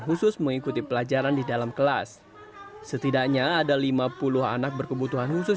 khusus mengikuti pelajaran di dalam kelas setidaknya ada lima puluh anak berkebutuhan khusus